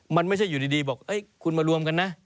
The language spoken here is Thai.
มันไม่ใช่อยู่ดีบอกคุณมารวมกันนะ